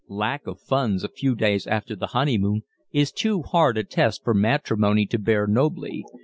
Lack of funds a few days after the honeymoon is too hard a test for matrimony to bear nobly.